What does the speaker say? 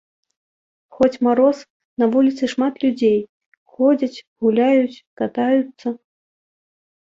Хоць мароз, на вуліцы шмат людзей, ходзяць, гуляюць, катаюцца.